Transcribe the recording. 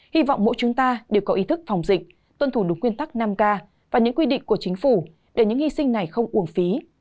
hy vọng mỗi chúng ta đều có ý thức phòng dịch tuân thủ đúng quy tắc năm k và những quy định của chính phủ để những hy sinh này không uồng phí